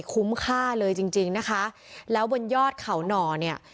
คุ้มค่าเลยจริงจริงนะคะแล้วบนยอดเขาหน่อเนี่ย